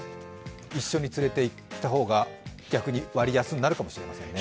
一緒に連れていった方が逆に割安になるかもしれませんね。